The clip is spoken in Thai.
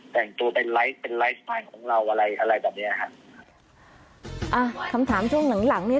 แต่งตัวเป็นไลฟ์สไตล์ของเราอะไรแบบเนี้ยค่ะอ่าคำถามช่วงหลังนี่